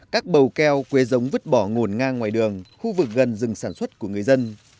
các bầu keo quế giống vứt bỏ ngổn ngang ngoài đường khu vực gần rừng sản xuất của người dân